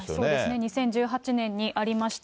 ２０１８年にありました。